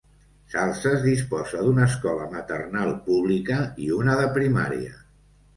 Salses disposa d'una escola maternal pública i una de primària.